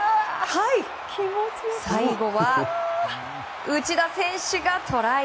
最後は、内田選手がトライ！